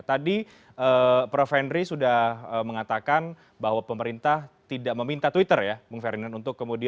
tadi prof henry sudah mengatakan bahwa pemerintah tidak meminta twitter ya bung ferdinand untuk kemudian